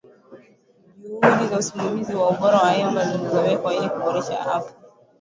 juhudi za usimamizi wa ubora wa hewa zilizowekwa ili kuboresha afya